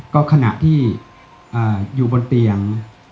ก็ขณะที่อยู่บนเตียง